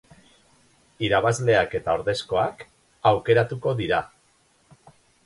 Irabazleak eta ordezkoak aukeratuko dira.